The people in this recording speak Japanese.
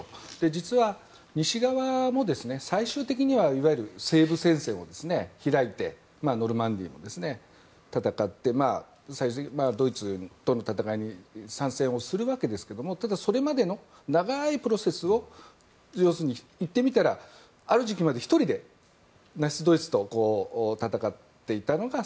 実は、西側も最終的にはいわゆる西部戦線を開いてノルマンディーを戦ってドイツとの戦いに参戦をするわけですけれどもただ、それまでの長いプロセスを要するに言ってみたらある時期まで１人でナチスドイツと戦っていたのが